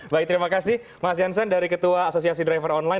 baik terima kasih mas jansen dari ketua asosiasi driver online